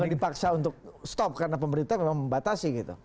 kalau dipaksa untuk stop karena pemerintah memang membatasi gitu